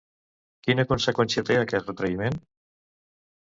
Quina conseqüència té aquest retraïment?